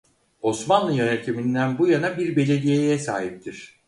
Osmanlı yönetiminden bu yana bir belediyeye sahiptir.